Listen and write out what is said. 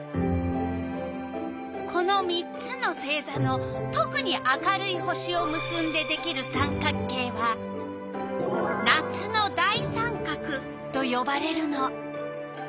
この３つの星座のとくに明るい星をむすんでできる三角形は「夏の大三角」とよばれるの。